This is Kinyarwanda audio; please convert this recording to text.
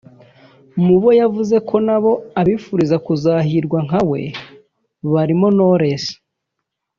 Mu bo yavuze ko na bo abifuriza kuzahirwa nka we barimo Knowless